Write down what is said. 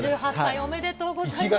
ありがとうございます。